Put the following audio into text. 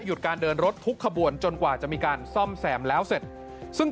การเดินรถทุกขบวนจนกว่าจะมีการซ่อมแซมแล้วเสร็จซึ่ง